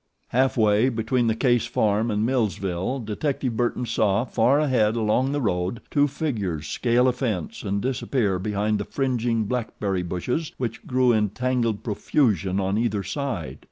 Half way between the Case farm and Millsville detective Burton saw, far ahead along the road, two figures scale a fence and disappear behind the fringing blackberry bushes which grew in tangled profusion on either side.